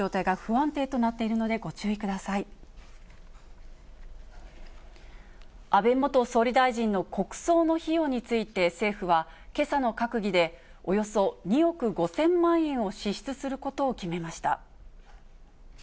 安倍元総理大臣の国葬の費用について、政府は、けさの閣議でおよそ２億５０００万円を支出することを決めました。